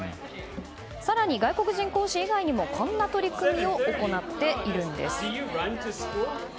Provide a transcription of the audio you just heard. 更に外国人講師以外にもこんな取り組みを行っているんです。